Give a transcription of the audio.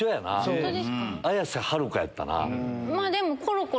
綾瀬はるかやったな。